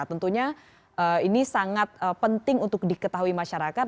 tentunya ini sangat penting untuk diketahui masyarakat